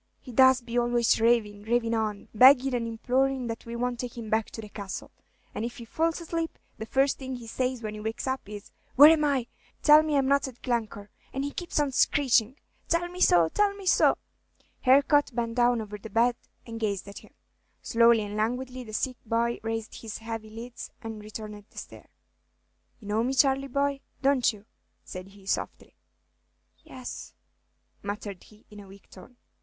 "He does be always ravin', ravin' on, beggin' and implorin' that we won't take him back to the Castle; and if he falls asleep, the first thing he says when he wakes up is, 'Where am I? tell me I'm not at Glencore!' and he keeps on screechin', 'Tell me, tell me so!'" Harcourt bent down over the bed and gazed at him. Slowly and languidly the sick boy raised his heavy lids and returned the stare. "You know me, Charley, boy, don't you?" said he, softly. "Yes," muttered he, in a weak tone.